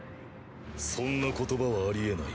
そんな言葉はありえない。